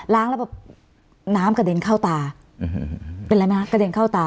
แล้วแบบน้ำกระเด็นเข้าตาเป็นอะไรไหมคะกระเด็นเข้าตา